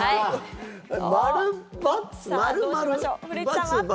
○、○、×、×？